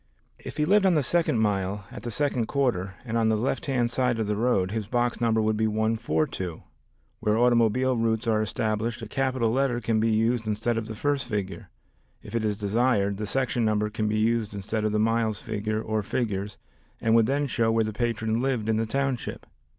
If he lived on the second mile at the second quarter, and on the left hand side of the road, his box number would be 142. Where automobile routes are established a capital letter can be used instead of the first figure. If it is desired, the section number can be used instead of the miles figure or figures, and would then show where the patron lived in the township.